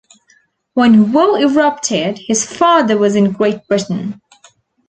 When war erupted, his father was in Great Britain.